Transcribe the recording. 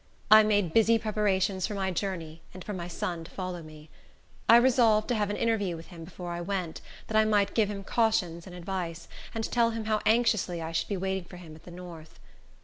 I made busy preparations for my journey, and for my son to follow me. I resolved to have an interview with him before I went, that I might give him cautions and advice, and tell him how anxiously I should be waiting for him at the north.